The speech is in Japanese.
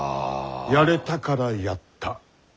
やれたからやった。